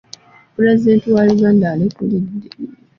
Pulezidenti wa Uganda alekulidde.